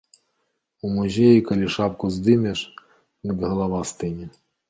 У музеі калі шапку здымеш, дык галава стыне.